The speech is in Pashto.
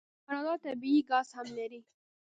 کاناډا طبیعي ګاز هم لري.